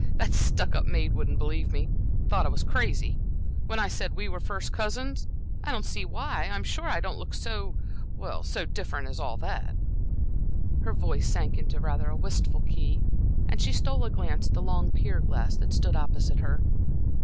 "That stuck up maid wouldn't believe me thought I was crazy, when I said we were first cousins. I don't see why I'm sure I don't look so so different as all that." Her voice sank into rather a wistful key, and she stole a glance at the long pier glass that stood opposite her.